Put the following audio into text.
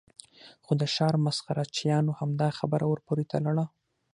خو د ښار مسخره چیانو همدا خبره ور پورې تړله.